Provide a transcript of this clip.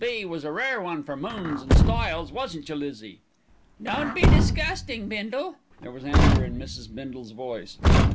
B. was a rare one for moons and stiles, wasn't you, Lizzie?" "Don't be disgusting, Bindle." There was anger in Mrs. Bindle's voice.